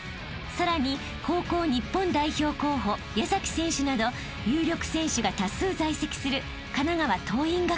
さらに高校日本代表候補矢崎選手など有力選手が多数在籍する神奈川］